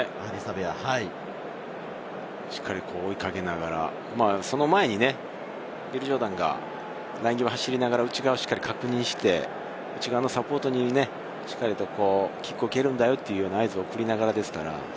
しっかり追いかけながら、その前にウィル・ジョーダンがライン際、走りながら内側を確認して、サポートにキックを蹴るんだよという合図を送りながらですから。